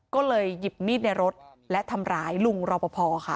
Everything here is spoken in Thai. ก็เลยหยิบมีดในรถและทำร้ายลุงรอปภค่ะ